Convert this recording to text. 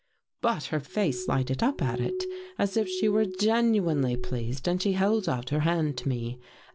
" But her face lighted up at it, as if she were genuinely pleased, and she held out her hand to me.